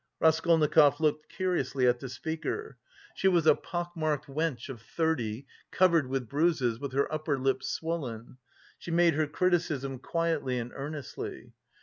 Raskolnikov looked curiously at the speaker. She was a pock marked wench of thirty, covered with bruises, with her upper lip swollen. She made her criticism quietly and earnestly.